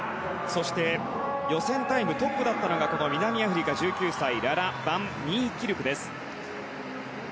そして、予選タイムがトップだったのが南アフリカの１９歳ララ・バン・ニーキルクです。